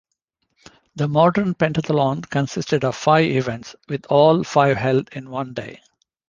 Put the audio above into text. The modern pentathlon consisted of five events, with all five held in one day.